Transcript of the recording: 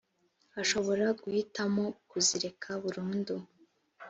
ashobora guhitamo kuzireka burundu